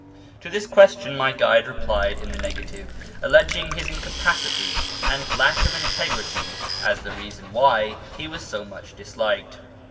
To this question my guide replied in the negative, alleging his incapacity and lack of integrity as the reason why he was so much disliked.